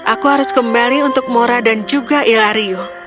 aku harus kembali untuk mora dan juga ilario